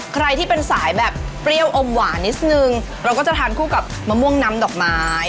ใครที่เป็นสายแบบเปรี้ยวอมหวานนิดนึงเราก็จะทานคู่กับมะม่วงน้ำดอกไม้